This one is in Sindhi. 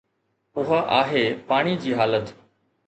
اها آهي پاڻي جي حالت.